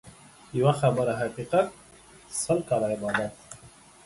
يوه خبره حقيقت ، سل کاله عبادت.